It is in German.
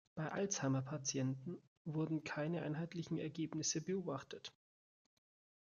Bei Alzheimer-Patienten wurden keine einheitlichen Ergebnisse beobachtet.